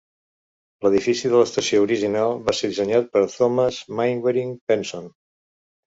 L'edifici de l'estació original va ser dissenyat per Thomas Mainwaring Penson.